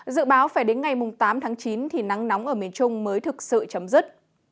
dự báo phải đến ngày tám tháng chín thì nắng nóng ở miền trung mới thực sự chấm dứt